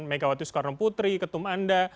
megawati soekarno putri ketum anda